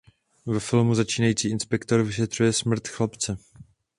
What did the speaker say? Ve filmu začínající inspektor vyšetřuje smrt chlapce.